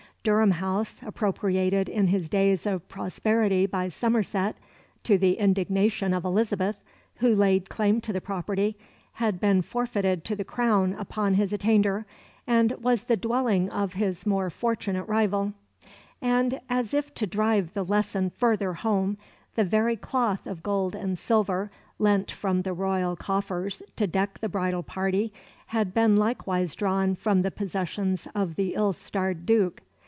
Durham House, appropriated in his days of prosperity by Somerset to the indignation of Elizabeth, who laid claim to the property had been forfeited to the Crown upon his attainder, and was the dwelling of his more fortunate rival; and, as if to drive the lesson further home, the very cloth of gold and silver lent from the royal coffers to deck the bridal party had been likewise drawn from the possessions of the ill starred Duke.